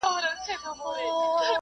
ممکن د يوه کس په زامنو کي خير وي.